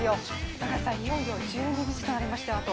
高橋さん、いよいよ１２日となりましたよ、あと。